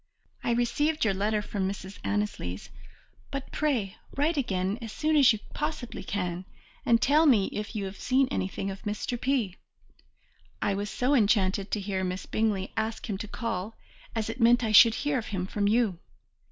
I received your letter from Mrs. Annesley's, but pray write again as soon as you possibly can and tell me if you have seen anything of Mr. P . I was so enchanted to hear Miss Bingley ask him to call, as it meant I should hear of him from you.